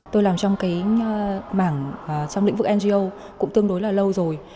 tôi làm trong cái mảng trong lĩnh vực ngo cũng tương đối là lâu rồi